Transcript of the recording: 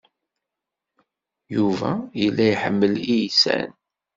Yuba yella iḥemmel iysan.